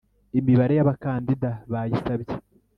imibare y’abakandida bayisabye